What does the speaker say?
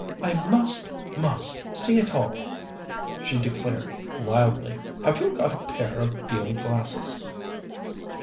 "I must, must see it all!" she declared wildly. "Have you got a pair of field glasses?"